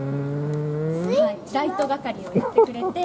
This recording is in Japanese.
ライト係をやってくれて。